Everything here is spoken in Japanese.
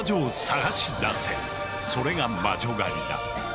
それが「魔女狩り」だ。